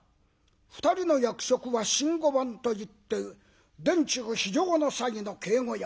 ２人の役職は新御番といって殿中非常の際の警護役。